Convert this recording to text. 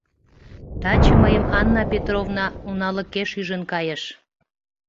Таче мыйым Анна Петровна уналыкеш ӱжын кайыш.